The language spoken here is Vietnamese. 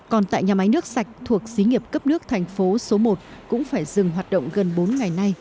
còn tại nhà máy nước sạch thuộc xí nghiệp cấp nước thành phố số một cũng phải dừng hoạt động gần bốn ngày nay